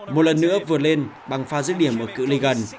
một lần nữa vượt lên bằng pha giữ điểm ở cựu lây gần